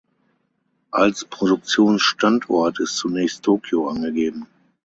Als Produktionsstandort ist zunächst Tokio angegeben.